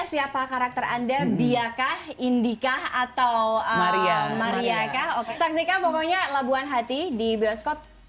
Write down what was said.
siapa karakter anda biakah indika atau mariaka saksikan pokoknya labuhan hati di bioskop